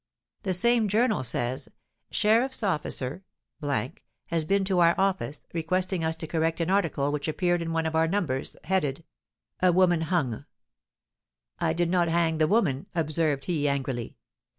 The same journal says: "Sheriffs' officer has been to our office, requesting us to correct an article which appeared in one of our numbers, headed, 'A woman hung.' 'I did not hang the woman!' observed he, angrily.